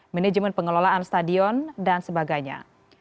manajemen pengelolaan stadion dan sebagainya